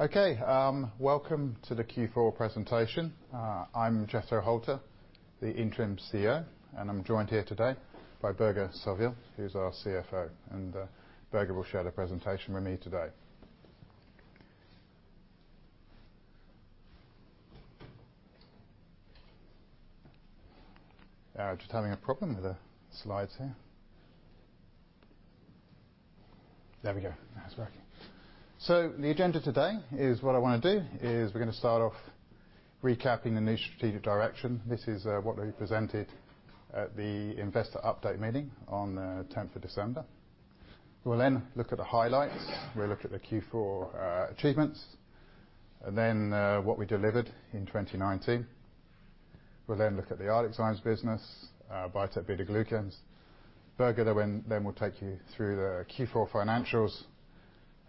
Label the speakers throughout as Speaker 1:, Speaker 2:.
Speaker 1: Okay. Welcome to the Q4 presentation. I'm Jethro Holter, the interim CEO, and I'm joined here today by Børge Sørvoll, who's our CFO. Børge will share the presentation with me today. Just having a problem with the slides here. There we go. Now it's working. The agenda today is, what I want to do is we're going to start off recapping the new strategic direction. This is what we presented at the investor update meeting on the 10th of December. We will then look at the highlights. We'll look at the Q4 achievements, and then what we delivered in 2019. We'll then look at the ArcticZymes business, Biotec BetaGlucans. Børge will then take you through the Q4 financials,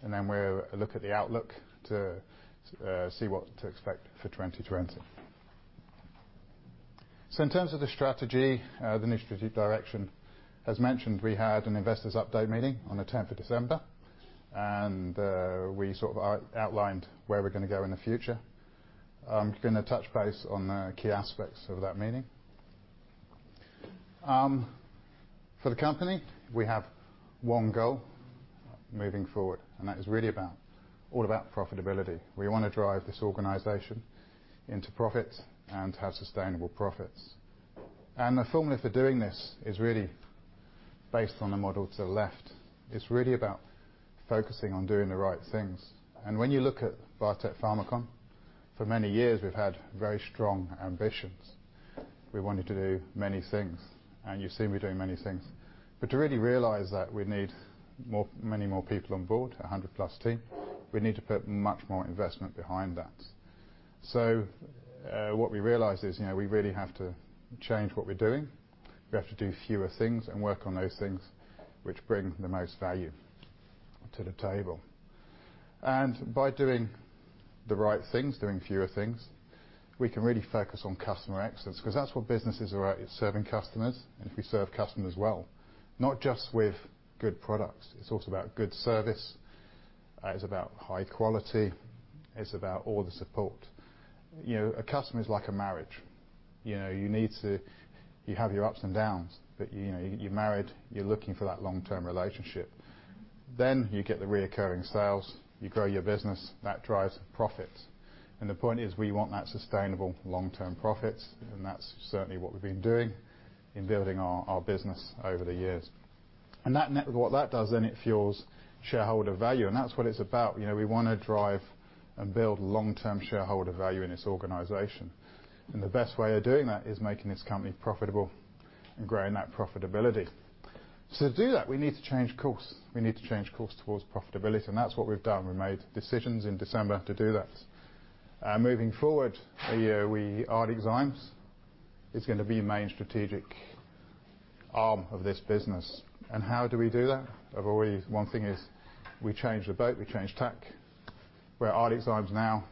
Speaker 1: and then we'll look at the outlook to see what to expect for 2020. In terms of the strategy, the new strategic direction, as mentioned, we had an investors update meeting on the 10th of December, and we sort of outlined where we're going to go in the future. I'm going to touch base on the key aspects of that meeting. For the company, we have one goal moving forward, and that is really all about profitability. We want to drive this organization into profit and have sustainable profits. The formula for doing this is really based on the model to the left. It's really about focusing on doing the right things. When you look at Biotec Pharmacon, for many years, we've had very strong ambitions. We wanted to do many things, and you see we're doing many things. To really realize that, we need many more people on board, 100-plus team. We need to put much more investment behind that. What we realized is we really have to change what we're doing. We have to do fewer things and work on those things which bring the most value to the table. By doing the right things, doing fewer things, we can really focus on customer excellence, because that's what businesses are at, is serving customers. If we serve customers well, not just with good products, it's also about good service. It's about high quality. It's about all the support. A customer is like a marriage. You have your ups and downs, but you're married, you're looking for that long-term relationship. You get the recurring sales, you grow your business, that drives profits. The point is, we want that sustainable long-term profits, and that's certainly what we've been doing in building our business over the years. What that does, it fuels shareholder value, and that's what it's about. We want to drive and build long-term shareholder value in this organization. The best way of doing that is making this company profitable and growing that profitability. To do that, we need to change course. We need to change course towards profitability, and that's what we've done. We made decisions in December to do that. Moving forward, ArcticZymes is going to be a main strategic arm of this business. How do we do that? One thing is we change the boat, we change tack, where ArcticZymes now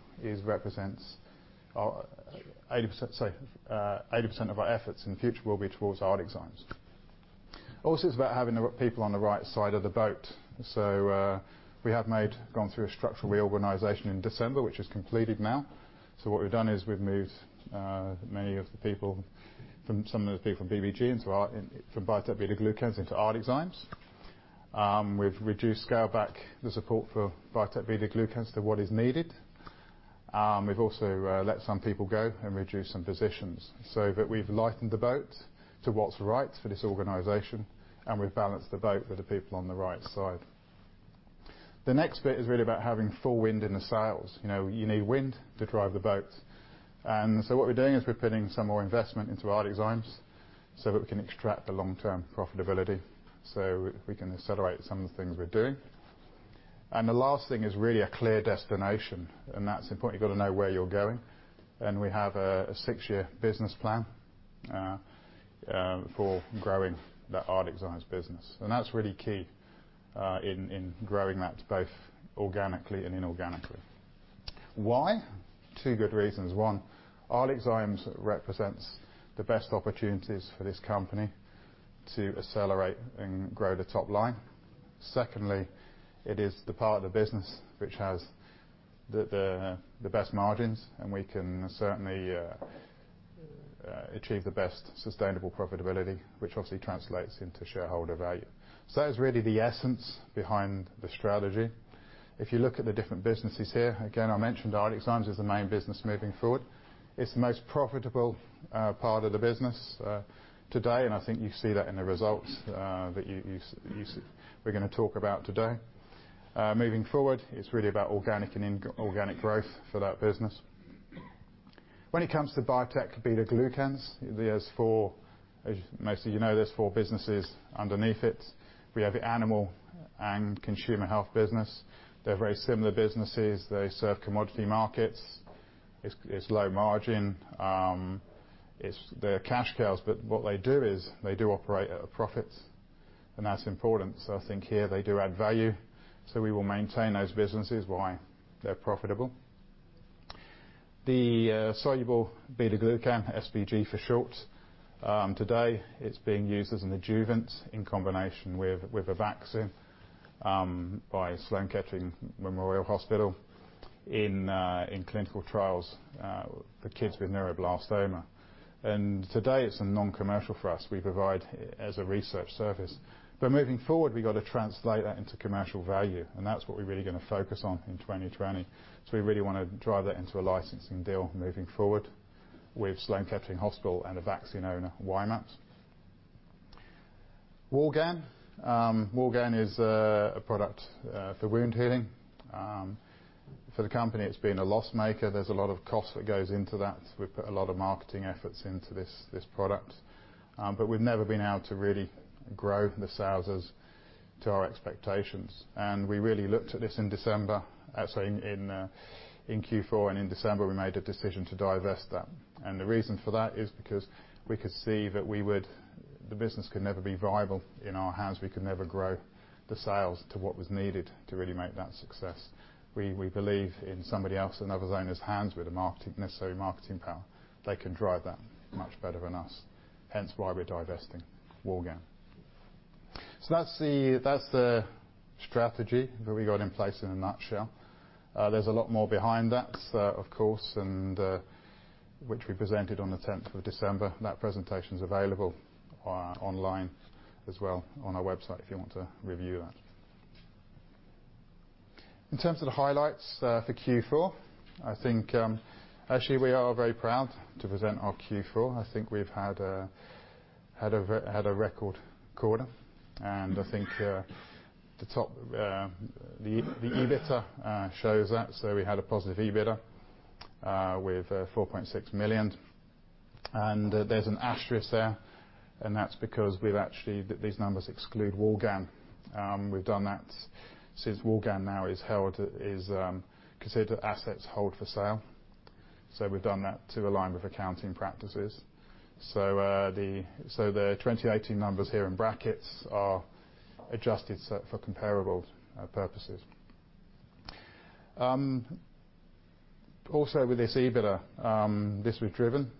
Speaker 1: represents 80% of our efforts, and the future will be towards ArcticZymes. Also, it's about having the right people on the right side of the boat. We have gone through a structural reorganization in December, which is completed now. What we've done is we've moved many of the people from Biotec BetaGlucans into ArcticZymes. We've reduced scale back the support for Biotec BetaGlucans to what is needed. We've also let some people go and reduced some positions so that we've lightened the boat to what's right for this organization, and we've balanced the boat with the people on the right side. The next bit is really about having full wind in the sails. You need wind to drive the boat. What we're doing is we're putting some more investment into ArcticZymes so that we can extract the long-term profitability, so we can accelerate some of the things we're doing. The last thing is really a clear destination, and that's important. You got to know where you're going. We have a six-year business plan for growing the ArcticZymes business. That's really key in growing that both organically and inorganically. Why? Two good reasons. One, ArcticZymes represents the best opportunities for this company to accelerate and grow the top line. Secondly, it is the part of the business which has the best margins, and we can certainly achieve the best sustainable profitability, which obviously translates into shareholder value. That is really the essence behind the strategy. If you look at the different businesses here, again, I mentioned ArcticZymes is the main business moving forward. It's the most profitable part of the business today, and I think you see that in the results that we're going to talk about today. Moving forward, it's really about organic and inorganic growth for that business. When it comes to Biotec BetaGlucans, as most of you know, there's four businesses underneath it. We have the animal and consumer health business. They're very similar businesses. They serve commodity markets. It's low margin. They're cash cows, what they do is they do operate at a profit, and that's important. I think here they do add value. We will maintain those businesses. Why? They're profitable. The Soluble Beta-Glucan, SBG for short. Today, it's being used as an adjuvant in combination with a vaccine by Memorial Sloan Kettering Cancer Center in clinical trials for kids with neuroblastoma. Today, it's non-commercial for us. We provide it as a research service. Moving forward, we've got to translate that into commercial value, and that's what we're really going to focus on in 2020. We really want to drive that into a licensing deal moving forward with Memorial Sloan Kettering Cancer Center and the vaccine owner, Y-mAbs. Woulgan. Woulgan is a product for wound healing. For the company, it's been a loss maker. There's a lot of cost that goes into that. We put a lot of marketing efforts into this product. We've never been able to really grow the sales to our expectations. We really looked at this in December. Sorry, in Q4 and in December, we made a decision to divest that. The reason for that is because we could see that the business could never be viable in our hands. We could never grow the sales to what was needed to really make that success. We believe in somebody else, in other owners' hands with the necessary marketing power. They can drive that much better than us, hence why we're divesting Woulgan. That's the strategy that we got in place in a nutshell. There's a lot more behind that, of course, and which we presented on the 10th of December. That presentation is available online as well on our website if you want to review that. In terms of the highlights for Q4, I think, actually, we are very proud to present our Q4. I think we've had a record quarter. I think the EBITDA shows that. We had a positive EBITDA with 4.6 million. There's an asterisk there, and that's because these numbers exclude Woulgan. We've done that since Woulgan now is considered assets hold for sale. We've done that to align with accounting practices. The 2018 numbers here in brackets are adjusted for comparable purposes. Also with this EBITDA, this was driven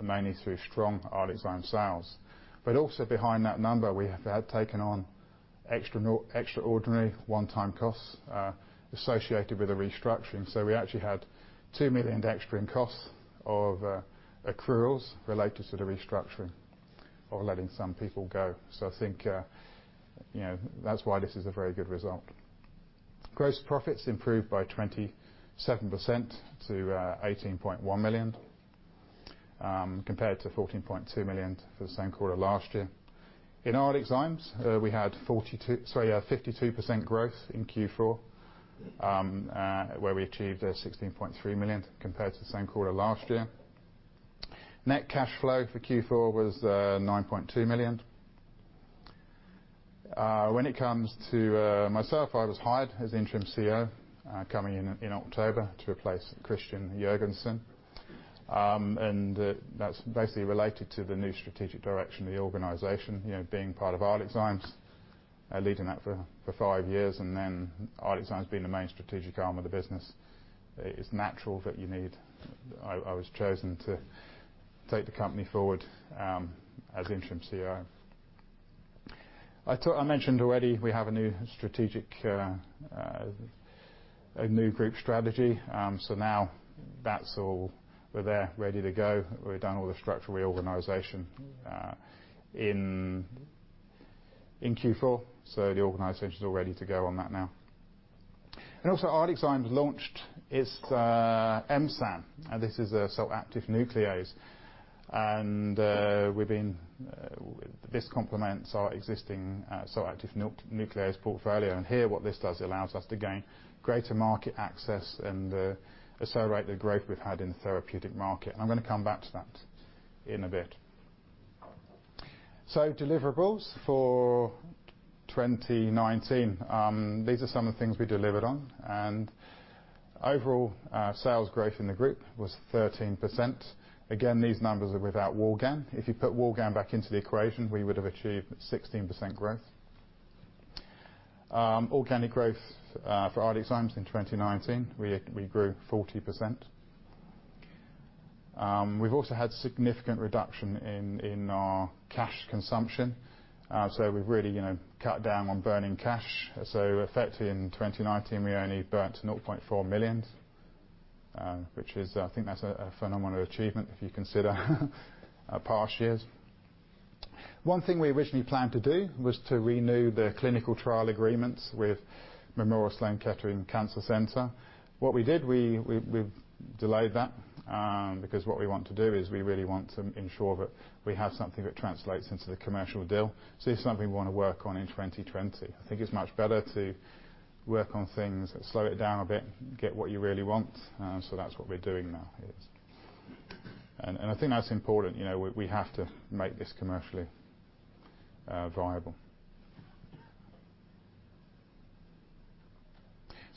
Speaker 1: mainly through strong ArcticZymes sales. Also behind that number, we have had taken on extraordinary one-time costs associated with the restructuring. We actually had 2 million in extra costs of accruals related to the restructuring of letting some people go. I think that's why this is a very good result. Gross profits improved by 27% to 18.1 million, compared to 14.2 million for the same quarter last year. In ArcticZymes, we had 52% growth in Q4, where we achieved 16.3 million compared to the same quarter last year. Net cash flow for Q4 was 9.2 million. When it comes to myself, I was hired as interim CEO, coming in in October to replace Christian Jørgensen, and that's basically related to the new strategic direction of the organization. Being part of ArcticZymes, leading that for five years, and then ArcticZymes being the main strategic arm of the business, it's natural that I was chosen to take the company forward as interim CEO. I mentioned already we have a new group strategy. Now that's all there, ready to go. We've done all the structural reorganization in Q4. The organization is all ready to go on that now. ArcticZymes launched its M-SAN, and this is a Salt Active Nuclease. This complements our existing Salt Active Nuclease portfolio. What this does, it allows us to gain greater market access and accelerate the growth we've had in the therapeutic market. I'm going to come back to that in a bit. Deliverables for 2019. These are some of the things we delivered on. Overall sales growth in the group was 13%. Again, these numbers are without Woulgan. If you put Woulgan back into the equation, we would have achieved 16% growth. Organic growth for ArcticZymes in 2019, we grew 40%. We've also had significant reduction in our cash consumption. We've really cut down on burning cash. Effectively in 2019, we only burnt 0.4 million, which I think that's a phenomenal achievement if you consider our past years. One thing we originally planned to do was to renew the clinical trial agreements with Memorial Sloan Kettering Cancer Center. What we did, we've delayed that, because what we want to do is we really want to ensure that we have something that translates into the commercial deal. It's something we want to work on in 2020. I think it's much better to work on things, slow it down a bit, get what you really want. That's what we're doing now. I think that's important. We have to make this commercially viable.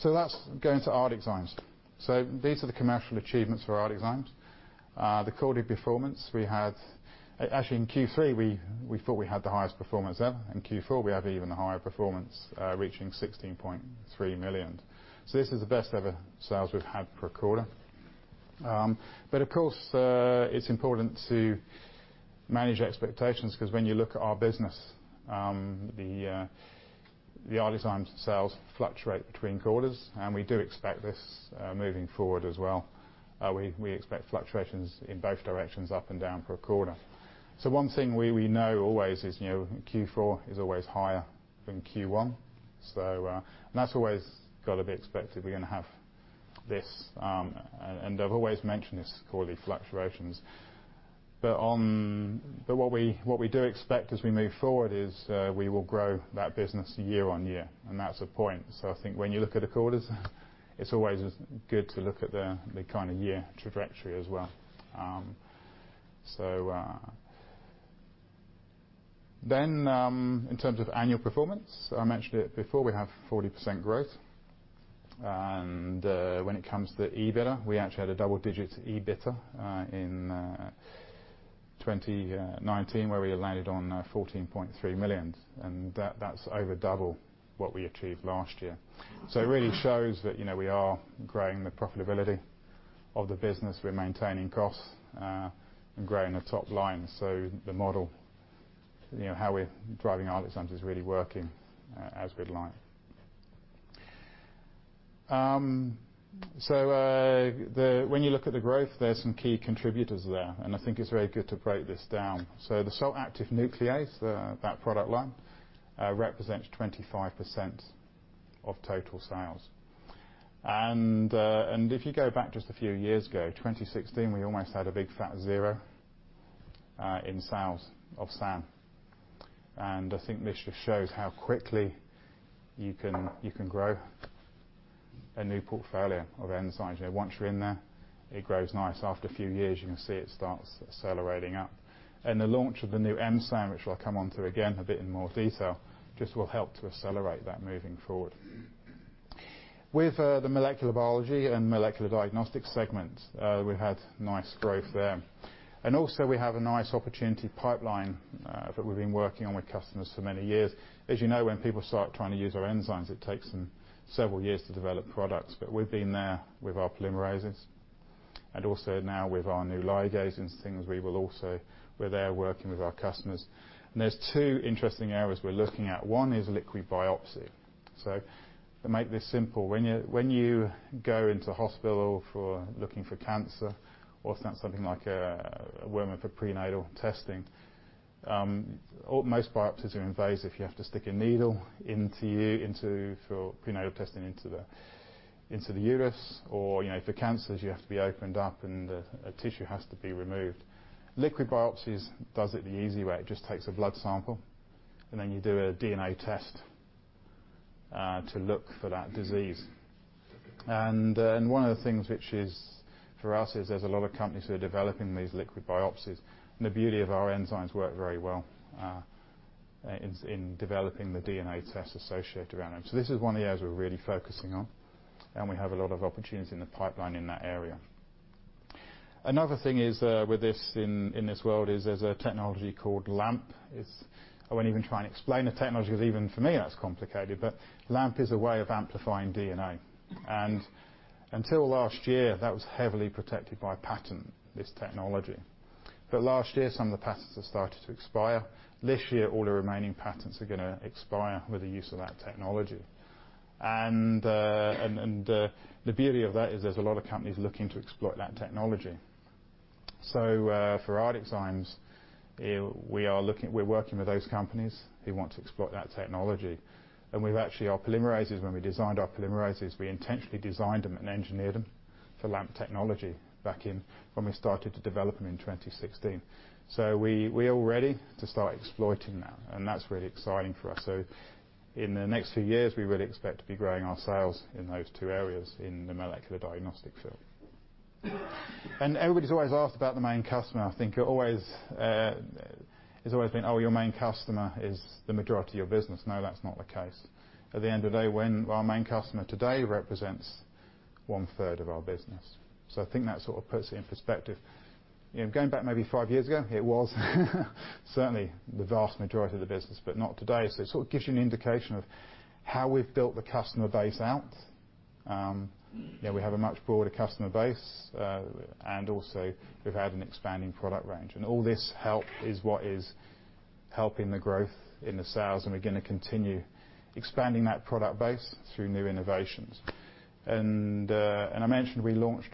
Speaker 1: That's going to ArcticZymes. These are the commercial achievements for ArcticZymes. The quarterly performance we had, actually in Q3, we thought we had the highest performance ever. In Q4, we have even higher performance, reaching 16.3 million. This is the best ever sales we've had per quarter. Of course, it's important to manage expectations because when you look at our business, the ArcticZymes sales fluctuate between quarters, and we do expect this moving forward as well. We expect fluctuations in both directions, up and down per quarter. One thing we know always is Q4 is always higher than Q1. That's always got to be expected. We're going to have this. I've always mentioned these quarterly fluctuations. What we do expect as we move forward is we will grow that business year-on-year, and that's the point. I think when you look at the quarters, it's always good to look at the year trajectory as well. In terms of annual performance, I mentioned it before, we have 40% growth. When it comes to the EBITDA, we actually had a double-digit EBITDA in 2019, where we landed on 14.3 million, and that's over double what we achieved last year. It really shows that we are growing the profitability of the business. We're maintaining costs, and growing the top line. The model, how we're driving ArcticZymes is really working as we'd like. When you look at the growth, there's some key contributors there, and I think it's very good to break this down. The Salt Active Nuclease, that product line, represents 25% of total sales. If you go back just a few years ago, 2016, we almost had a big fat zero in sales of SAN. I think this just shows how quickly you can grow a new portfolio of enzymes. Once you're in there, it grows nice. After a few years, you can see it starts accelerating up. The launch of the new M-SAN, which I'll come onto again a bit in more detail, just will help to accelerate that moving forward. With the molecular biology and molecular diagnostics segments, we've had nice growth there. Also we have a nice opportunity pipeline that we've been working on with customers for many years. As you know, when people start trying to use our enzymes, it takes them several years to develop products. We've been there with our polymerases, and also now with our new ligase and things, we're there working with our customers. There's two interesting areas we're looking at. One is liquid biopsy. To make this simple, when you go into hospital for looking for cancer, or if that's something like a woman for prenatal testing, most biopsies are invasive. You have to stick a needle into you, for prenatal testing, into the uterus, or for cancers, you have to be opened up, and a tissue has to be removed. Liquid biopsies does it the easy way. It just takes a blood sample, and then you do a DNA test to look for that disease. One of the things which is, for us, is there's a lot of companies who are developing these liquid biopsies. The beauty of our enzymes work very well in developing the DNA test associated around them. This is one of the areas we are really focusing on, and we have a lot of opportunities in the pipeline in that area. Another thing is with this, in this world, is there is a technology called LAMP. I won't even try and explain the technology because even for me it is complicated. LAMP is a way of amplifying DNA. Until last year, that was heavily protected by patent, this technology. Last year, some of the patents have started to expire. This year, all the remaining patents are going to expire with the use of that technology. The beauty of that is there is a lot of companies looking to exploit that technology. For ArcticZymes, we are working with those companies who want to exploit that technology. We've actually, our polymerases, when we designed our polymerases, we intentionally designed them and engineered them for LAMP technology back in when we started to develop them in 2016. We are ready to start exploiting that, and that's really exciting for us. In the next few years, we really expect to be growing our sales in those two areas in the molecular diagnostics field. Everybody's always asked about the main customer. I think it's always been, "Oh, your main customer is the majority of your business." No, that's not the case. At the end of the day, our main customer today represents one third of our business. I think that sort of puts it in perspective. Going back maybe five years ago, it was certainly the vast majority of the business, but not today. It sort of gives you an indication of how we've built the customer base out. We have a much broader customer base, and also we've had an expanding product range. All this help is what is helping the growth in the sales, and we're going to continue expanding that product base through new innovations. I mentioned we launched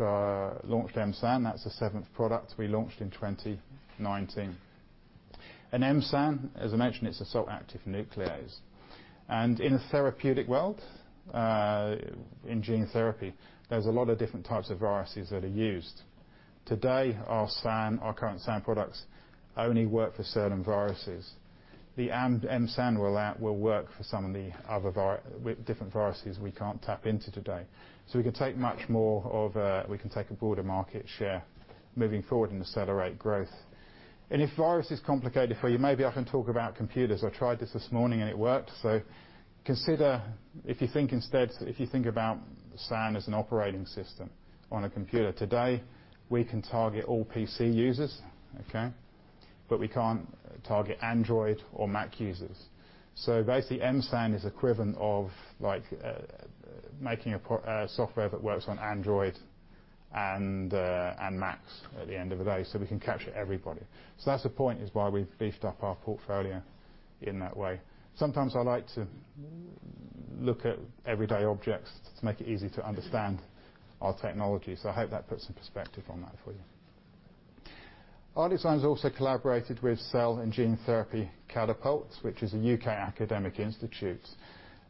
Speaker 1: M-SAN. That's the seventh product we launched in 2019. M-SAN, as I mentioned, it's a Salt Active Nuclease. In the therapeutic world, in gene therapy, there's a lot of different types of viruses that are used. Today, our current SAN products only work for certain viruses. The M-SAN will work for some of the different viruses we can't tap into today. We can take a broader market share moving forward and accelerate growth. If virus is complicated for you, maybe I can talk about computers. I tried this this morning, and it worked. Consider, if you think about SAN as an operating system on a computer today, we can target all PC users, okay? We can't target Android or Mac users. Basically, M-SAN is equivalent of making a software that works on Android and Mac at the end of the day, so we can capture everybody. That's the point is why we've beefed up our portfolio in that way. Sometimes I like to look at everyday objects to make it easy to understand our technology. I hope that puts some perspective on that for you. ArcticZymes also collaborated with Cell and Gene Therapy Catapult, which is a U.K. academic institute.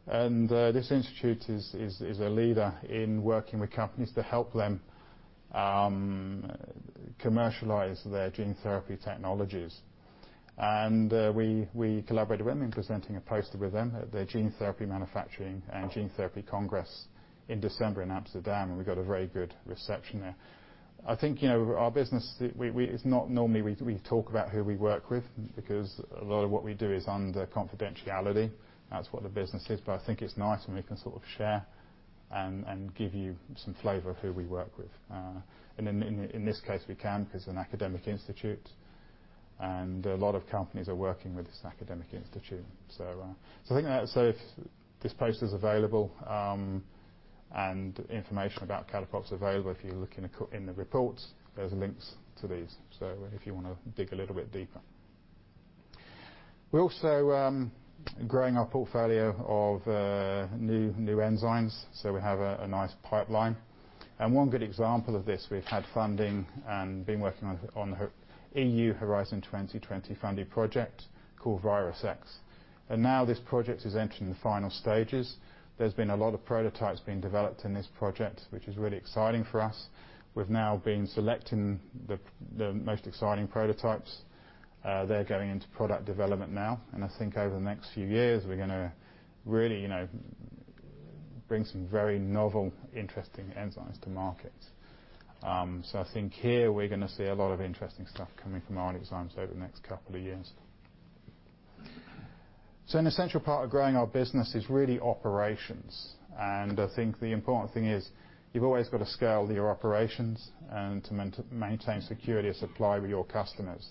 Speaker 1: This institute is a leader in working with companies to help them commercialize their gene therapy technologies. We collaborated with them in presenting a poster with them at their gene therapy manufacturing and gene therapy congress in December in Amsterdam, and we got a very good reception there. I think our business, it's not normally we talk about who we work with because a lot of what we do is under confidentiality. That's what the business is. I think it's nice when we can sort of share and give you some flavor of who we work with. In this case we can because an academic institute and a lot of companies are working with this academic institute. I think that this poster is available, and information about Catapults available if you look in the reports, there's links to these, so if you want to dig a little bit deeper. We're also growing our portfolio of new enzymes. We have a nice pipeline. One good example of this, we've had funding and been working on Horizon 2020 funded project called Virus-X. Now this project is entering the final stages. There's been a lot of prototypes being developed in this project, which is really exciting for us. We've now been selecting the most exciting prototypes. They're going into product development now. I think over the next few years, we're going to really bring some very novel, interesting enzymes to market. I think here we're going to see a lot of interesting stuff coming from our enzymes over the next couple of years. An essential part of growing our business is really operations. I think the important thing is you've always got to scale your operations and to maintain security of supply with your customers.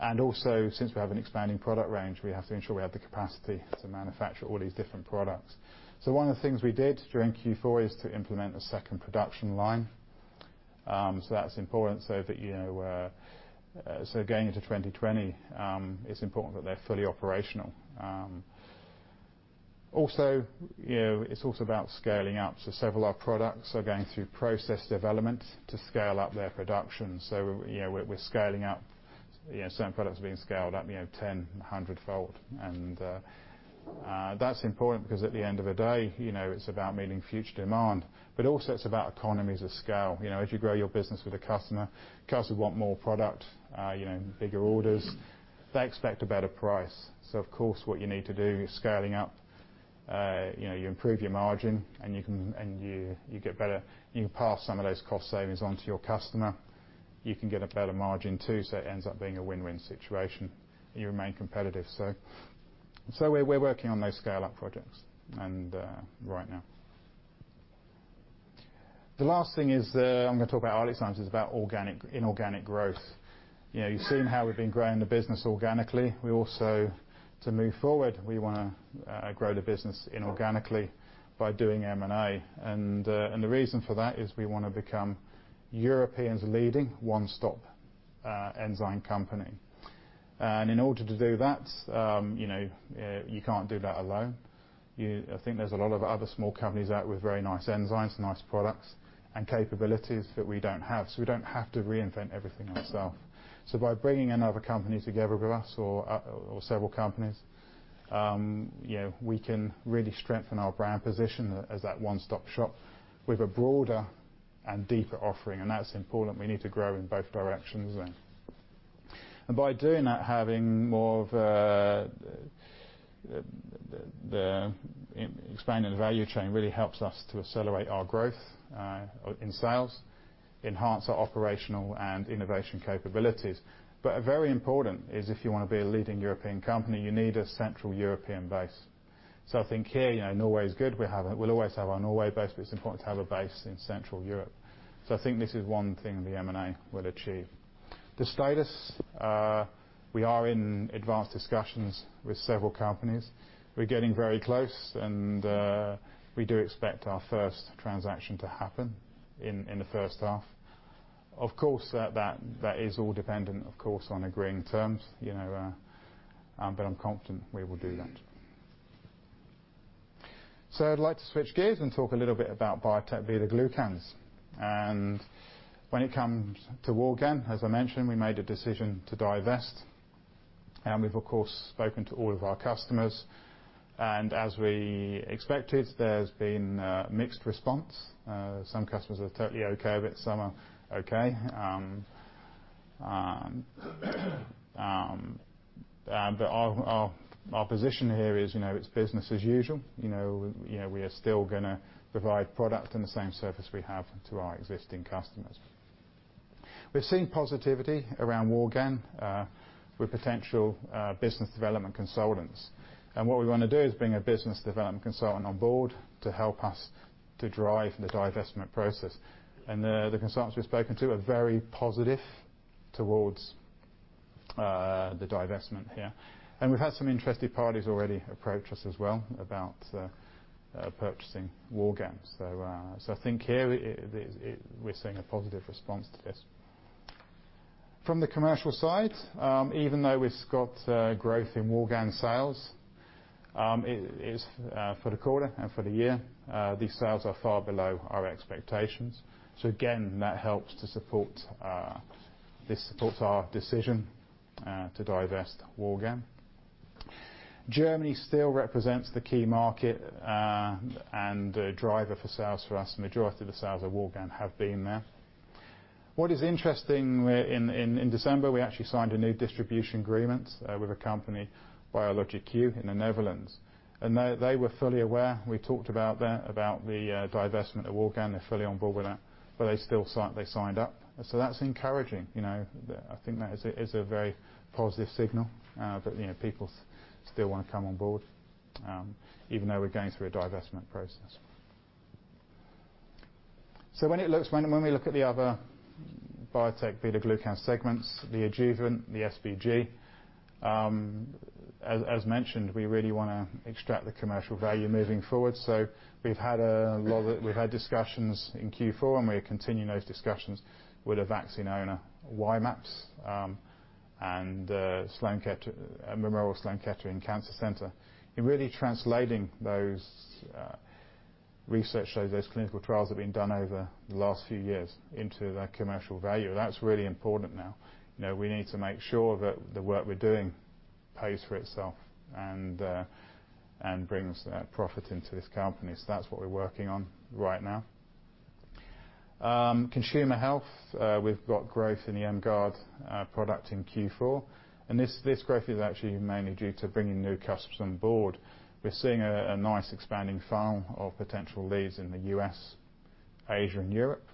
Speaker 1: Since we have an expanding product range, we have to ensure we have the capacity to manufacture all these different products. One of the things we did during Q4 is to implement a second production line. That's important so that going into 2020, it's important that they're fully operational. It's also about scaling up. Several of our products are going through process development to scale up their production. We're scaling up, certain products are being scaled up 10, 100 fold. That's important because at the end of the day, it's about meeting future demand. Also it's about economies of scale. As you grow your business with a customer, customers want more product, bigger orders. They expect a better price. Of course, what you need to do is scaling up, you improve your margin, and you pass some of those cost savings on to your customer. You can get a better margin too, so it ends up being a win-win situation, and you remain competitive. We're working on those scale-up projects right now. The last thing I'm going to talk about at ArcticZymes is about inorganic growth. You've seen how we've been growing the business organically. We also, to move forward, we want to grow the business inorganically by doing M&A. The reason for that is we want to become Europeans' leading one-stop enzyme company. In order to do that, you can't do that alone. I think there's a lot of other small companies out with very nice enzymes, nice products, and capabilities that we don't have. We don't have to reinvent everything ourself. By bringing another company together with us or several companies, we can really strengthen our brand position as that one-stop shop with a broader and deeper offering. That's important. We need to grow in both directions then. By doing that, having more of the expanded value chain really helps us to accelerate our growth in sales, enhance our operational and innovation capabilities. Very important is if you want to be a leading European company, you need a central European base. I think here, Norway is good. We'll always have our Norway base, but it's important to have a base in central Europe. I think this is one thing the M&A will achieve. The status, we are in advanced discussions with several companies. We're getting very close, and we do expect our first transaction to happen in the first half. I'm confident we will do that. I'd like to switch gears and talk a little bit about Biotec BetaGlucans. When it comes to Woulgan, as I mentioned, we made a decision to divest, and we've, of course, spoken to all of our customers. As we expected, there's been a mixed response. Some customers are totally okay with it, some are okay. But our position here is it's business as usual. We are still going to provide product and the same service we have to our existing customers. We're seeing positivity around Woulgan with potential business development consultants. What we want to do is bring a business development consultant on board to help us to drive the divestment process. The consultants we've spoken to are very positive towards the divestment here. We've had some interested parties already approach us as well about purchasing Woulgan. I think here, we're seeing a positive response to this. From the commercial side, even though we've got growth in Woulgan sales for the quarter and for the year, these sales are far below our expectations. Again, that helps to support our decision to divest Woulgan. Germany still represents the key market and a driver for sales for us. The majority of the sales of Woulgan have been there. What is interesting, in December, we actually signed a new distribution agreement with a company, BioLogiQ, in the Netherlands. They were fully aware. We talked about that, about the divestment of Woulgan. They're fully on board with that. They still signed up. That's encouraging. I think that is a very positive signal. People still want to come on board even though we're going through a divestment process. When we look at the other Biotec BetaGlucans segments, the adjuvant, the SBG, as mentioned, we really want to extract the commercial value moving forward. We've had discussions in Q4, and we're continuing those discussions with a vaccine owner, Y-mAbs, and Memorial Sloan Kettering Cancer Center in really translating those research shows, those clinical trials that have been done over the last few years into that commercial value. That's really important now. We need to make sure that the work we're doing pays for itself and brings profit into this company. That's what we're working on right now. Consumer health, we've got growth in the M-Gard product in Q4, and this growth is actually mainly due to bringing new customers on board. We're seeing a nice expanding funnel of potential leads in the U.S., Asia, and Europe.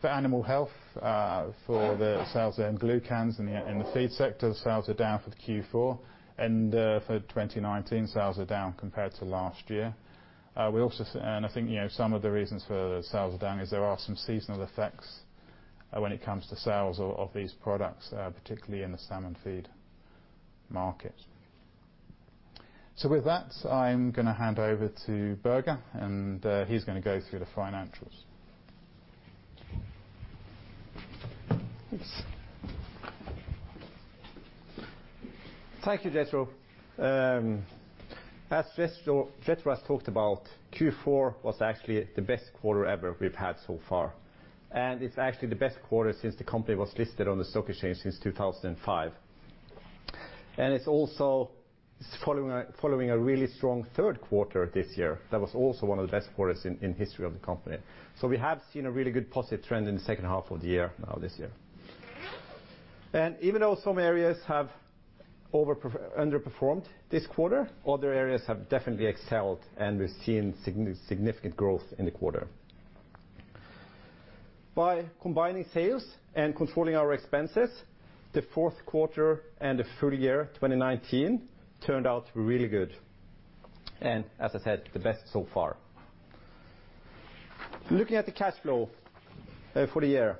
Speaker 1: For animal health, for the sales in glucans in the feed sector, sales are down for Q4, and for 2019, sales are down compared to last year. I think some of the reasons for the sales are down is there are some seasonal effects when it comes to sales of these products, particularly in the salmon feed market. With that, I'm going to hand over to Børge, and he's going to go through the financials.
Speaker 2: Thank you, Jethro. As Jethro has talked about, Q4 was actually the best quarter ever we've had so far, it's actually the best quarter since the company was listed on the stock exchange since 2005. It's also following a really strong third quarter this year. That was also one of the best quarters in the history of the company. We have seen a really good positive trend in the second half of the year now this year. Even though some areas have underperformed this quarter, other areas have definitely excelled, and we've seen significant growth in the quarter. By combining sales and controlling our expenses, the fourth quarter and the full year 2019 turned out really good. As I said, the best so far. Looking at the cash flow for the year,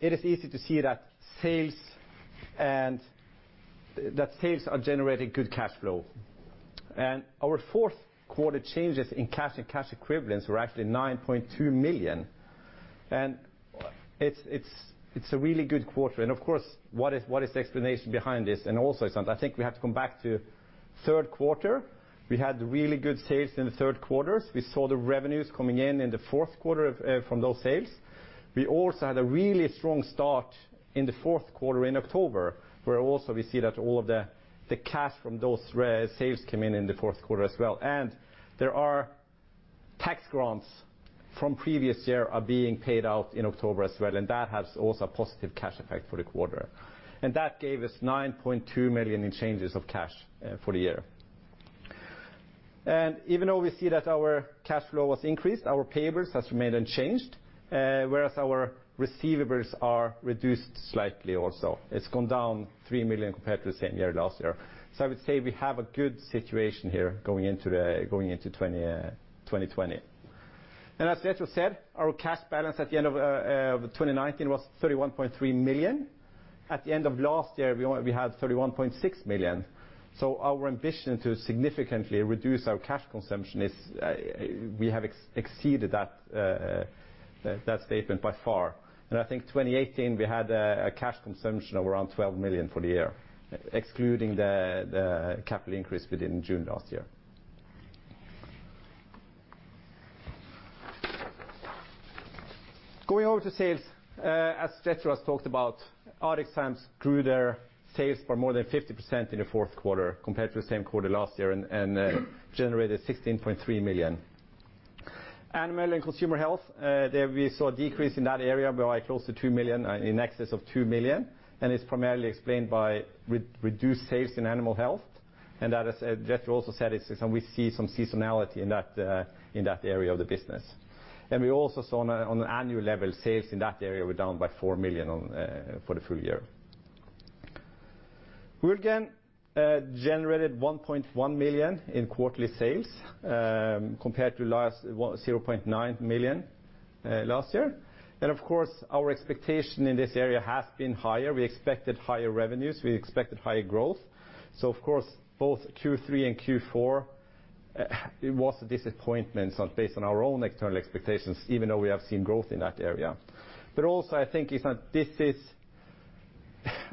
Speaker 2: it is easy to see that sales are generating good cash flow. Our fourth quarter changes in cash and cash equivalents were actually 9.2 million. It's a really good quarter. Of course, what is the explanation behind this? Also, I think we have to come back to third quarter. We had really good sales in the third quarters. We saw the revenues coming in the fourth quarter from those sales. We also had a really strong start in the fourth quarter in October, where also we see that all of the cash from those sales came in the fourth quarter as well. There are tax grants from previous year are being paid out in October as well. That has also a positive cash effect for the quarter. That gave us 9.2 million in changes of cash for the year. Even though we see that our cash flow was increased, our payables has remained unchanged, whereas our receivables are reduced slightly also. It's gone down three million compared to the same quarter last year. I would say we have a good situation here going into 2020. As Jethro said, our cash balance at the end of 2019 was 31.3 million. At the end of last year, we had 31.6 million. Our ambition to significantly reduce our cash consumption is we have exceeded that statement by far. I think 2018, we had a cash consumption of around 12 million for the year, excluding the capital increase within June last year. Going over to sales, as Jethro has talked about, ArcticZymes grew their sales for more than 50% in the fourth quarter compared to the same quarter last year and generated 16.3 million. Animal and consumer health, we saw a decrease in that area by close to 2 million, in excess of 2 million, and it's primarily explained by reduced sales in animal health, and that, as Jethro also said, we see some seasonality in that area of the business. We also saw on an annual level, sales in that area were down by 4 million for the full year. Woulgan generated 1.1 million in quarterly sales, compared to 0.9 million last year. Of course, our expectation in this area has been higher. We expected higher revenues, we expected higher growth. Of course, both Q3 and Q4, it was a disappointment based on our own internal expectations, even though we have seen growth in that area. Also,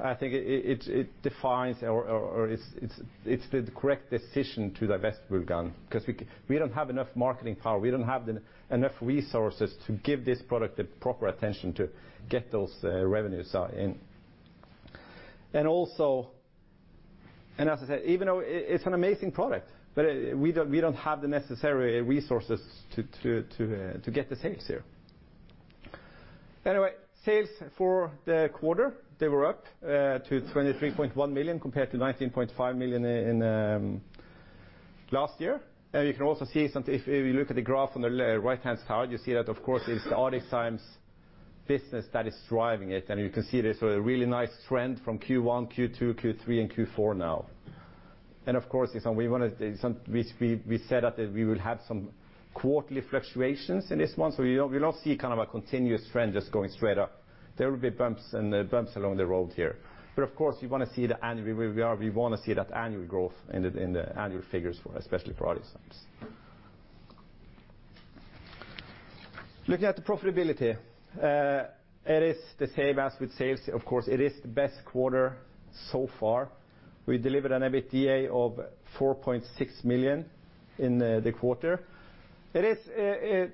Speaker 2: I think it defines or it's the correct decision to divest Woulgan because we don't have enough marketing power, we don't have enough resources to give this product the proper attention to get those revenues in. As I said, even though it's an amazing product, but we don't have the necessary resources to get the sales here. Anyway, sales for the quarter, they were up to 23.1 million compared to 19.5 million in last year. You can also see if you look at the graph on the right-hand side, you see that, of course, it's the ArcticZymes business that is driving it, and you can see there's a really nice trend from Q1, Q2, Q3, and Q4 now. Of course, we said that we will have some quarterly fluctuations in this one, you will not see a continuous trend just going straight up. There will be bumps along the road here. Of course, we want to see that annual growth in the annual figures for especially for ArcticZymes. Looking at the profitability, it is the same as with sales. Of course, it is the best quarter so far. We delivered an EBITDA of 4.6 million in the quarter. The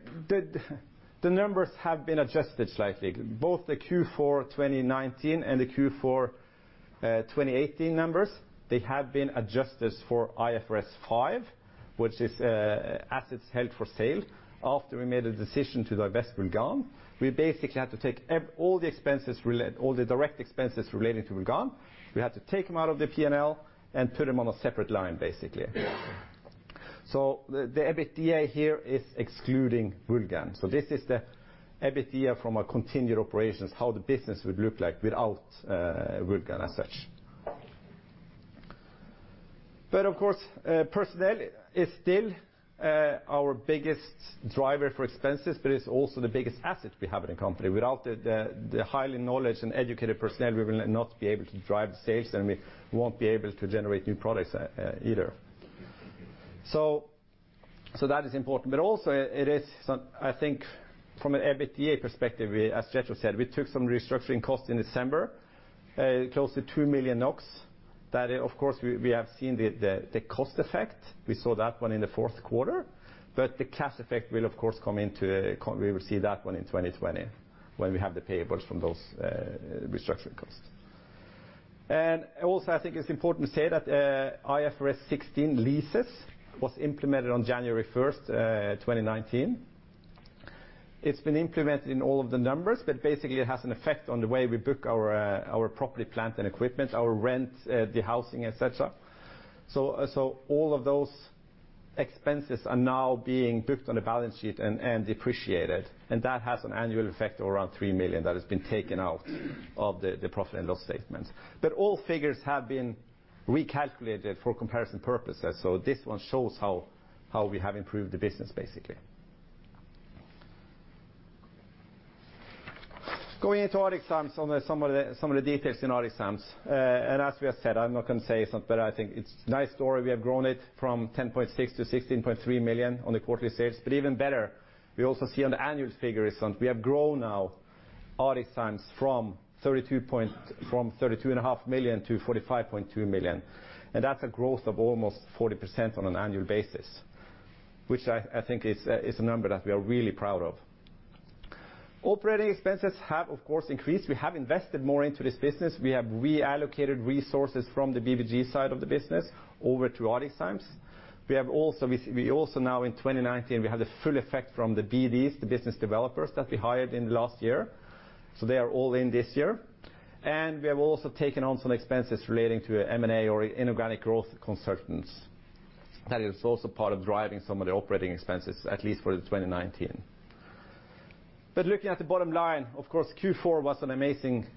Speaker 2: numbers have been adjusted slightly, both the Q4 2019 and the Q4 2018 numbers, they have been adjusted for IFRS 5, which is assets held for sale. After we made a decision to divest Woulgan, we basically had to take all the direct expenses relating to Woulgan. We had to take them out of the P&L and put them on a separate line, basically. The EBITDA here is excluding Woulgan. This is the EBITDA from our continued operations, how the business would look like without Woulgan as such. Of course, personnel is still our biggest driver for expenses, but it's also the biggest asset we have in the company. Without the highly knowledge and educated personnel, we will not be able to drive sales, and we won't be able to generate new products either. That is important. Also, I think from an EBITDA perspective, as Jethro said, we took some restructuring costs in December, close to 2 million NOK. That, of course, we have seen the cost effect. We saw that one in the fourth quarter, but the cash effect we will see that one in 2020, when we have the payables from those restructuring costs. Also, I think it's important to say that IFRS 16 leases was implemented on January 1st, 2019. It's been implemented in all of the numbers, basically it has an effect on the way we book our property, plant, and equipment, our rent, the housing, et cetera. All of those expenses are now being booked on the balance sheet and depreciated, and that has an annual effect of around 3 million that has been taken out of the profit and loss statement. All figures have been recalculated for comparison purposes, this one shows how we have improved the business, basically. Going into ArcticZymes, some of the details in ArcticZymes. As we have said, I'm not going to say it, I think it's a nice story. We have grown it from 10.6 to 16.3 million on the quarterly sales. Even better, we also see on the annual figures, we have grown now ArcticZymes from 32.5 million to 45.2 million. That's a growth of almost 40% on an annual basis, which I think is a number that we are really proud of. Operating expenses have, of course, increased. We have invested more into this business. We have reallocated resources from the BBG side of the business over to ArcticZymes. We also now in 2019, we have the full effect from the BDs, the business developers that we hired in the last year, so they are all in this year. We have also taken on some expenses relating to M&A or inorganic growth consultants. That is also part of driving some of the operating expenses, at least for 2019. Looking at the bottom line, of course, Q4 was an amazing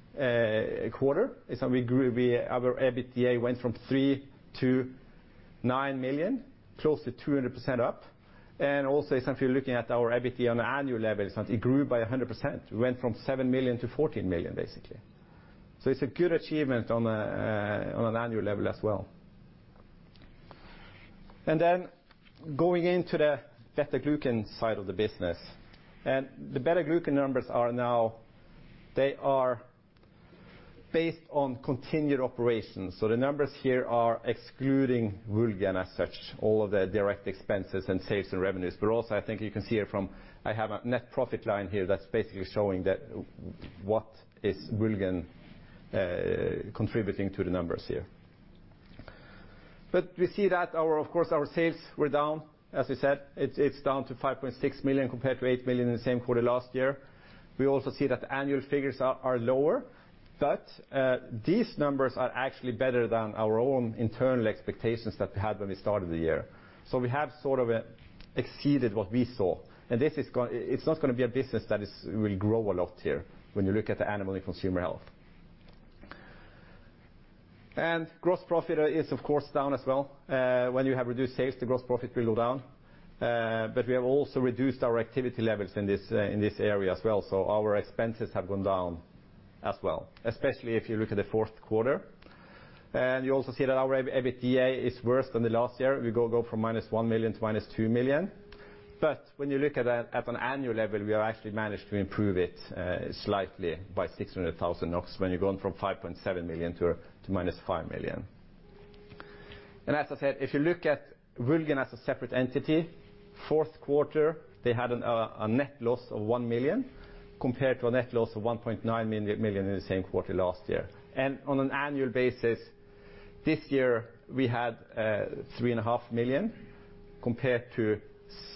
Speaker 2: quarter. Our EBITDA went from 3 million to 9 million, close to 200% up. Also, if you're looking at our EBITDA on an annual level, it grew by 100%. We went from 7 million to 14 million, basically. It's a good achievement on an annual level as well. Then going into the beta-glucan side of the business. The beta-glucan numbers are now based on continued operations. The numbers here are excluding Woulgan as such, all of the direct expenses and sales and revenues. Also, I think you can see I have a net profit line here that's basically showing what is Woulgan contributing to the numbers here. We see that, of course, our sales were down, as we said. It's down to 5.6 million compared to 8 million in the same quarter last year. We also see that the annual figures are lower. These numbers are actually better than our own internal expectations that we had when we started the year. We have sort of exceeded what we saw. It's not going to be a business that will grow a lot here when you look at the animal and consumer health. Gross profit is, of course, down as well. When you have reduced sales, the gross profit will go down. We have also reduced our activity levels in this area as well. Our expenses have gone down as well, especially if you look at the fourth quarter. You also see that our EBITDA is worse than the last year. We go from minus 1 million to minus 2 million. When you look at an annual level, we have actually managed to improve it slightly by 600,000 NOK when you are going from 5.7 million to minus 5 million. As I said, if you look at Woulgan as a separate entity, fourth quarter, they had a net loss of 1 million compared to a net loss of 1.9 million in the same quarter last year. On an annual basis, this year we had 3.5 million compared to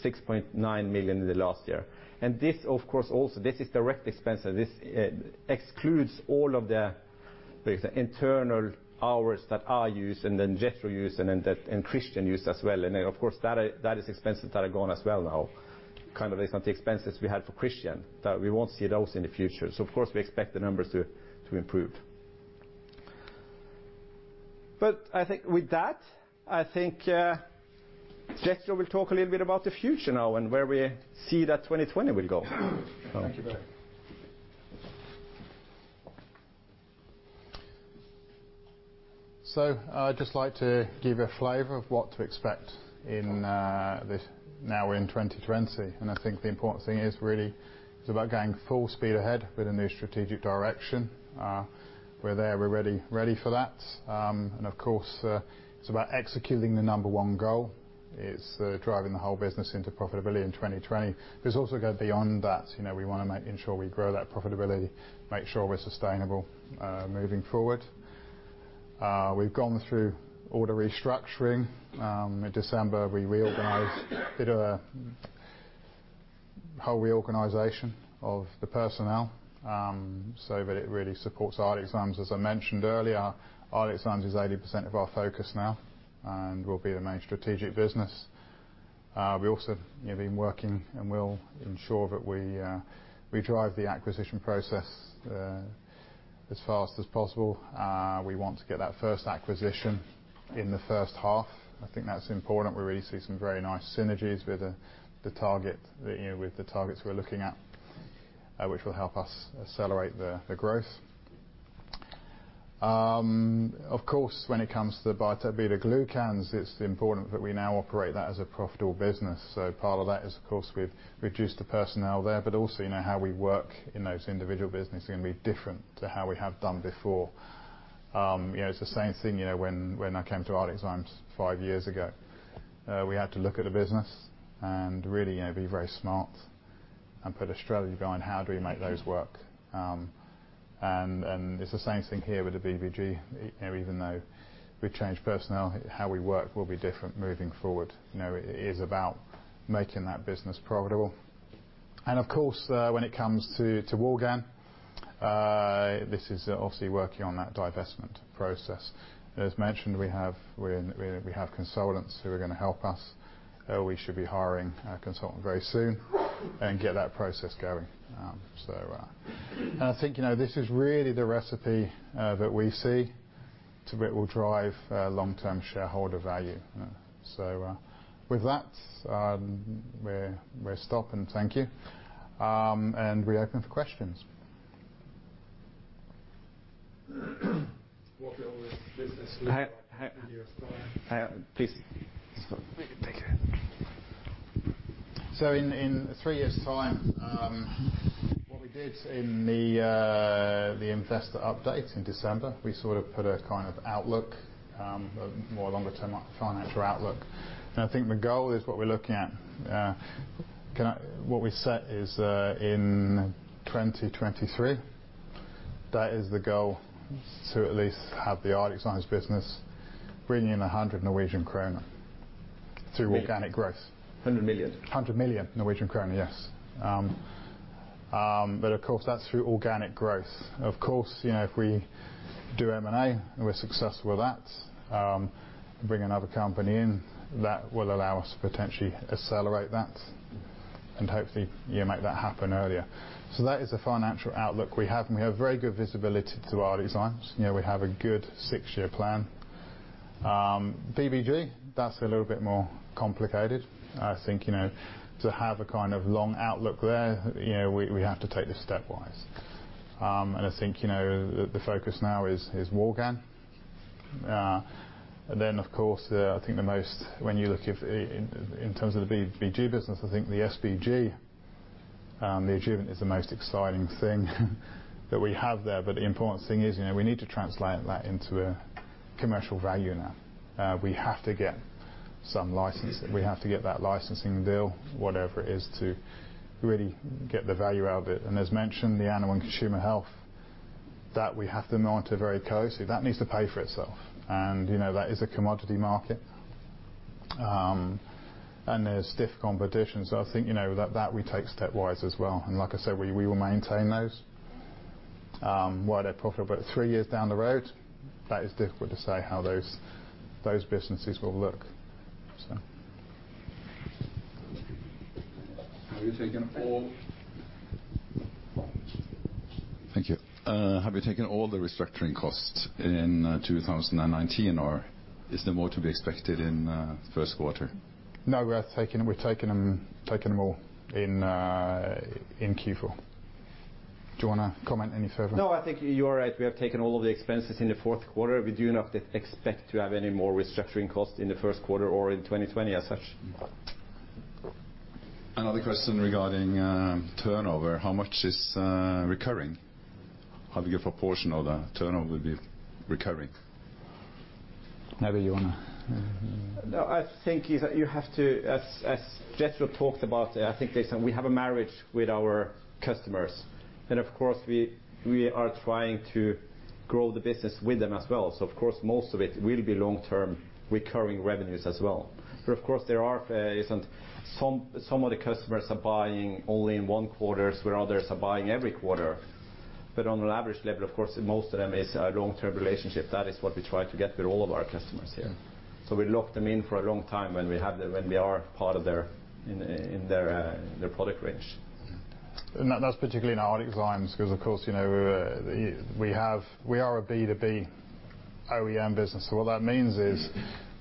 Speaker 2: 6.9 million in the last year. This, of course, also this is direct expense. This excludes all of the, for instance, internal hours that I use and then Jethro use and Christian use as well. Of course, that is expenses that are gone as well now, based on the expenses we had for Christian, that we won't see those in the future. Of course, we expect the numbers to improve. I think with that, I think Jethro will talk a little bit about the future now and where we see that 2020 will go.
Speaker 1: Thank you, Børge. I'd just like to give you a flavor of what to expect now we're in 2020. I think the important thing is really it's about going full speed ahead with a new strategic direction. We're there. We're ready for that. Of course, it's about executing the number 1 goal, is driving the whole business into profitability in 2020. It's also go beyond that. We want to ensure we grow that profitability, make sure we're sustainable moving forward. We've gone through all the restructuring. In December, we reorganized, did a whole reorganization of the personnel, so that it really supports ArcticZymes. As I mentioned earlier, ArcticZymes is 80% of our focus now and will be the main strategic business. We also have been working and will ensure that we drive the acquisition process as fast as possible. We want to get that first acquisition in the first half. I think that's important. We really see some very nice synergies with the targets we're looking at, which will help us accelerate the growth. When it comes to the beta-glucans, it's important that we now operate that as a profitable business. Part of that is, of course, we've reduced the personnel there, but also how we work in those individual businesses are going to be different to how we have done before. It's the same thing when I came to ArcticZymes five years ago. We had to look at a business and really be very smart and put a strategy behind how do we make those work. It's the same thing here with the BBG. Even though we've changed personnel, how we work will be different moving forward. It is about making that business profitable. Of course, when it comes to Woulgan, this is obviously working on that divestment process. As mentioned, we have consultants who are going to help us. We should be hiring a consultant very soon and get that process going. I think this is really the recipe that we see that will drive long-term shareholder value. With that, we'll stop and thank you. We open for questions.
Speaker 3: What will the business look like in years' time?
Speaker 2: Please. Sorry. Take it.
Speaker 1: In three years' time, what we did in the investor update in December, we sort of put a kind of outlook, a more longer term financial outlook. I think the goal is what we're looking at. What we set is in 2023, that is the goal to at least have the ArcticZymes business bring in 100 Norwegian kroner through organic growth.
Speaker 2: 100 million.
Speaker 1: 100 million, yes. Of course, that's through organic growth. Of course, if we do M&A and we're successful with that, bring another company in, that will allow us to potentially accelerate that and hopefully make that happen earlier. That is the financial outlook we have, and we have very good visibility to ArcticZymes. We have a good 6-year plan. BBG, that's a little bit more complicated. I think to have a kind of long outlook there, we have to take this stepwise. I think the focus now is Woulgan. Of course, I think the most, when you look in terms of the BBG business, I think the SBG, the adjuvant, is the most exciting thing that we have there. The important thing is we need to translate that into a commercial value now. We have to get some licensing. We have to get that licensing deal, whatever it is, to really get the value out of it. As mentioned, the animal and consumer health that we have to monitor very closely. That needs to pay for itself. That is a commodity market, and there's stiff competition. I think that we take stepwise as well. Like I said, we will maintain those. While they're profitable, three years down the road, that is difficult to say how those businesses will look.
Speaker 3: Thank you. Have you taken all the restructuring costs in 2019, or is there more to be expected in first quarter?
Speaker 1: No, we're taking them all in Q4. Do you want to comment any further?
Speaker 2: No, I think you are right. We have taken all of the expenses in the fourth quarter. We do not expect to have any more restructuring costs in the first quarter or in 2020 as such.
Speaker 3: Another question regarding turnover, how much is recurring? Have you a proportion of the turnover be recurring?
Speaker 1: Maybe you want to.
Speaker 2: No, I think you have to, as Jethro talked about, I think they said we have a marriage with our customers, and of course, we are trying to grow the business with them as well. Of course, most of it will be long-term recurring revenues as well. Of course, some of the customers are buying only in one quarters, where others are buying every quarter. On an average level, of course, most of them is a long-term relationship. That is what we try to get with all of our customers here.
Speaker 1: Yeah.
Speaker 2: We lock them in for a long time when we have them, when we are part in their product range.
Speaker 1: That's particularly in ArcticZymes, because, of course, we are a B2B OEM business. What that means is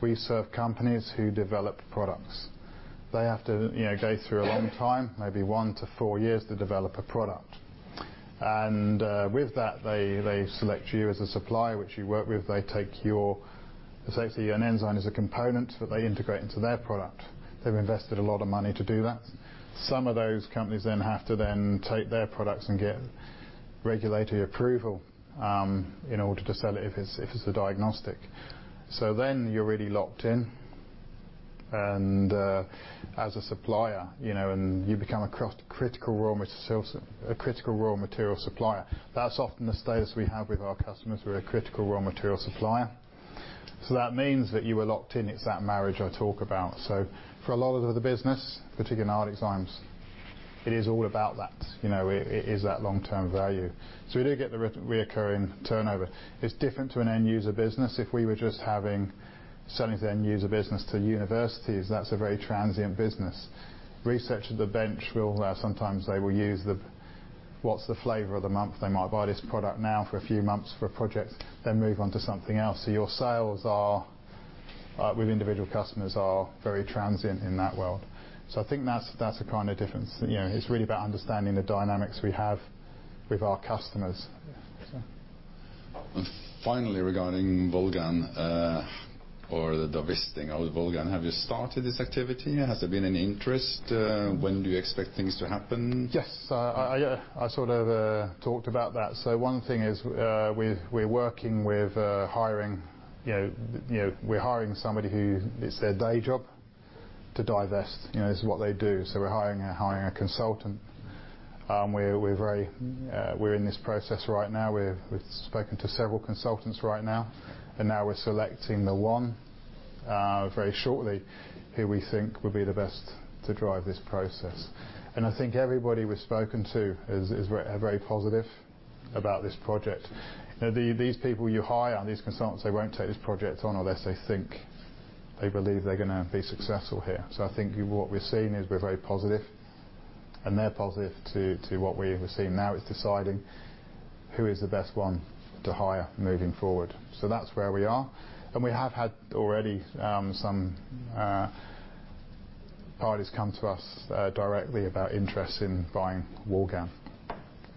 Speaker 1: we serve companies who develop products. They have to go through a long time, maybe one to four years, to develop a product. With that, they select you as a supplier, which you work with. They take your, say, if an enzyme is a component that they integrate into their product, they've invested a lot of money to do that. Some of those companies then have to then take their products and get regulatory approval in order to sell it if it's a diagnostic. You're really locked in. As a supplier, you become a critical raw material supplier. That's often the status we have with our customers. We're a critical raw material supplier. That means that you are locked in. It's that marriage I talk about. For a lot of the business, particularly in ArcticZymes, it is all about that. It is that long-term value. We do get the reoccurring turnover. It's different to an end user business. If we were just selling to the end user business to universities, that's a very transient business. Researchers at the bench will sometimes use the what's the flavor of the month. They might buy this product now for a few months for a project, then move on to something else. Your sales with individual customers are very transient in that world. I think that's a kind of difference. It's really about understanding the dynamics we have with our customers.
Speaker 3: Yeah. Finally, regarding Woulgan or the divesting of Woulgan, have you started this activity? Has there been any interest? When do you expect things to happen?
Speaker 1: Yes. I sort of talked about that. One thing is, we're working with hiring somebody who it's their day job to divest. This is what they do. We're hiring a consultant. We're in this process right now. We've spoken to several consultants right now, and now we're selecting the one, very shortly, who we think will be the best to drive this process. I think everybody we've spoken to is very positive about this project. These people you hire, these consultants, they won't take this project on unless they think, they believe they're going to be successful here. I think what we're seeing is we're very positive, and they're positive, too, to what we are seeing. Now it's deciding who is the best one to hire moving forward. That's where we are. We have had already some parties come to us directly about interest in buying Woulgan.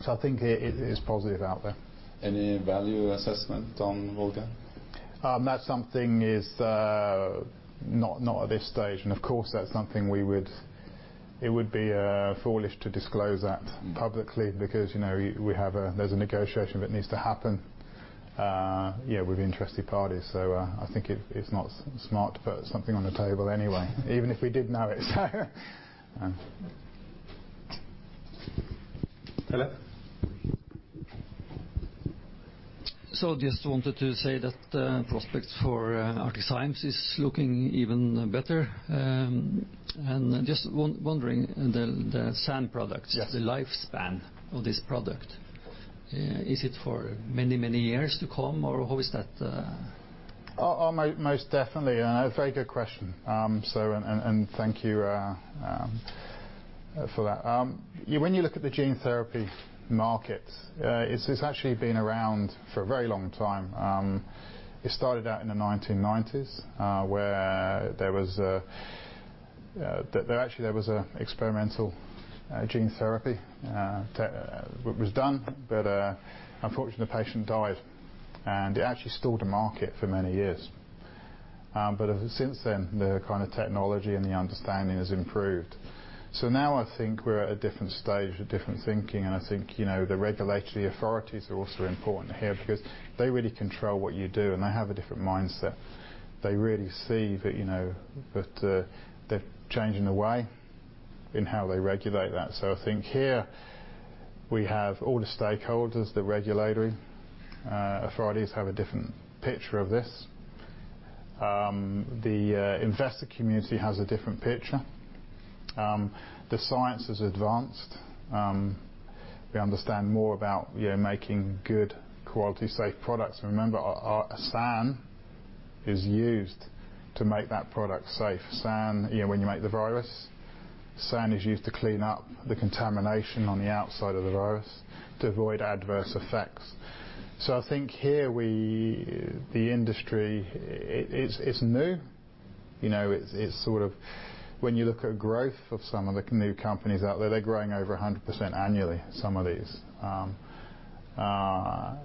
Speaker 1: I think it is positive out there.
Speaker 3: Any value assessment on Woulgan?
Speaker 1: That's something is not at this stage. Of course, that's something it would be foolish to disclose that publicly because there's a negotiation that needs to happen with interested parties. I think it's not smart to put something on the table anyway, even if we did know it.
Speaker 2: Hello.
Speaker 4: Just wanted to say that the prospects for ArcticZymes is looking even better. just wondering, the SAN product?
Speaker 1: Yes
Speaker 4: The lifespan of this product. Is it for many, many years to come, or how is that?
Speaker 1: Oh, most definitely. A very good question. And thank you for that. When you look at the gene therapy market, it's actually been around for a very long time. It started out in the 1990s, where there actually was an experimental gene therapy that was done, but unfortunately, the patient died. It actually stalled the market for many years. Since then, the kind of technology and the understanding has improved. Now I think we're at a different stage with different thinking, and I think the regulatory authorities are also important here because they really control what you do, and they have a different mindset. They really see that they're changing the way in how they regulate that. I think here we have all the stakeholders, the regulatory authorities have a different picture of this. The investor community has a different picture. The science has advanced. We understand more about making good quality, safe products. Remember, our SAN is used to make that product safe. When you make the virus, SAN is used to clean up the contamination on the outside of the virus to avoid adverse effects. I think here, the industry, it's new. When you look at growth of some of the new companies out there, they're growing over 100% annually, some of these. Now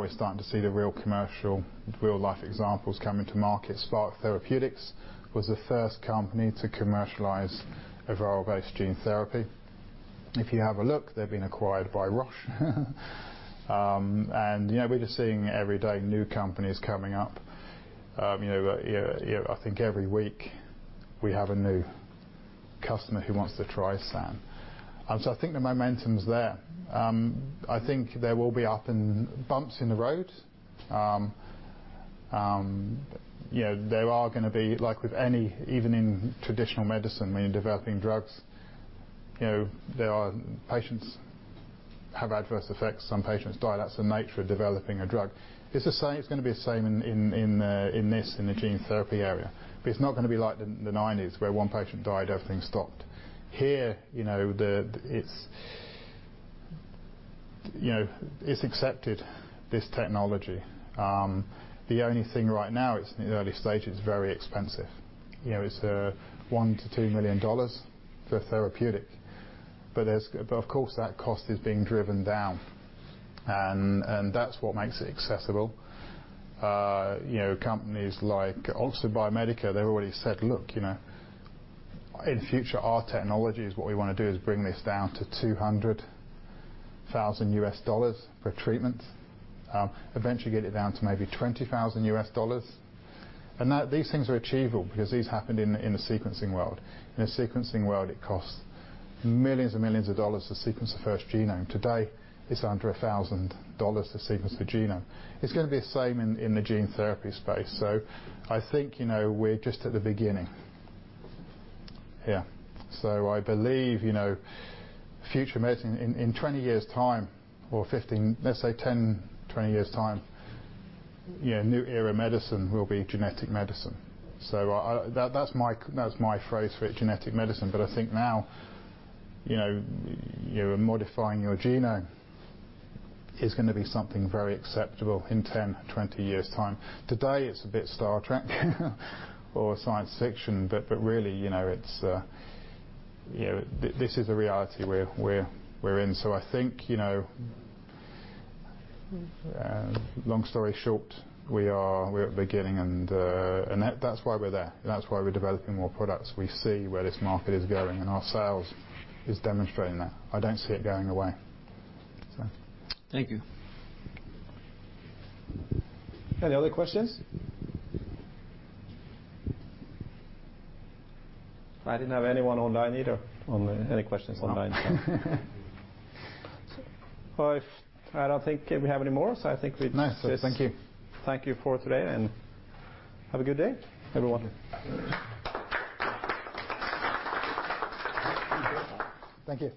Speaker 1: we're starting to see the real commercial, real-life examples coming to market. Spark Therapeutics was the first company to commercialize a viral-based gene therapy. If you have a look, they've been acquired by Roche. We're just seeing every day new companies coming up. I think every week we have a new customer who wants to try SAN. I think the momentum's there. I think there will be often bumps in the road. There are going to be, like with any, even in traditional medicine, when you're developing drugs, there are patients have adverse effects. Some patients die. That's the nature of developing a drug. It's going to be the same in this, in the gene therapy area. It's not going to be like the '90s where one patient died, everything stopped. Here, it's accepted, this technology. The only thing right now, it's in the early stages, it's very expensive. It's $1 million-$2 million for a therapeutic. Of course, that cost is being driven down, and that's what makes it accessible. Companies like Oxford Biomedica, they've already said, "Look, in future, our technology is what we want to do is bring this down to $200,000 per treatment. Eventually get it down to maybe $20,000." These things are achievable because these happened in the sequencing world. In the sequencing world, it costs millions and millions of dollars to sequence the first genome. Today, it's under $1,000 to sequence the genome. It's going to be the same in the gene therapy space. I think we're just at the beginning. Yeah. I believe future medicine, in 20 years' time, or 15, let's say 10, 20 years' time, new era medicine will be genetic medicine. That's my phrase for it, genetic medicine. I think now, modifying your genome is going to be something very acceptable in 10, 20 years' time. Today, it's a bit Star Trek or science fiction. Really, this is the reality we're in. I think, long story short, we're at the beginning and that's why we're there. That's why we're developing more products. We see where this market is going, and our sales is demonstrating that. I don't see it going away.
Speaker 4: Thank you.
Speaker 2: Any other questions? I didn't have anyone online either. Any questions online? Well, I don't think we have any more.
Speaker 1: Nice. Thank you.
Speaker 2: Thank you for today and have a good day, everyone.
Speaker 1: Thank you.